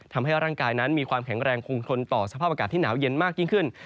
ทำให้ร่างกายมีความแข็งแรงคงทนต่อในเฉพาะวักกาศหนาวเย็นมากขึ้น